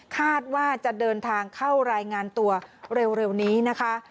คาดว่าจะเดินทางเข้ารายงานตัวเร็วนี้นะคะ